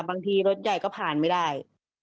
บางทีรถใหญ่ก็ผ่านไม่ได้